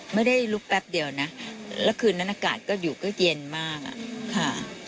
ไม่ได้ลุกแป๊บเดียวนะแล้วคืนนั้นอากาศก็อยู่ก็เย็นมากอ่ะค่ะ